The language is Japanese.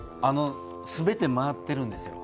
すべて回ってるんですよ